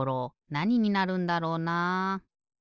なにになるんだろうなあ？